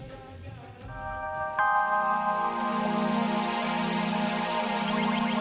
jangan jangan lo yang mau dijonjolin susan sama bapak ini